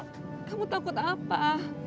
kamu takut apa